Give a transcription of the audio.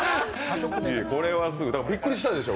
だからびっくりしたでしょ